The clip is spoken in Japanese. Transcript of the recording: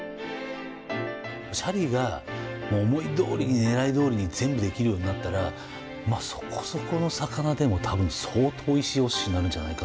シャリが思いどおりにねらいどおりに全部できるようになったらまあそこそこの魚でも多分相当おいしいお鮨になるんじゃないかなと思うんです。